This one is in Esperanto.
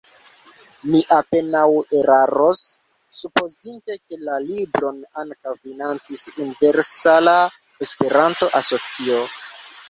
Ni apenaŭ eraros, supozinte ke la libron ankaŭ financis Universala Esperanto Asocio.